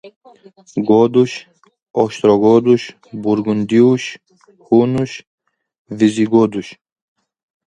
Godos, ostrogodos, burgúndios, hunos, visigodos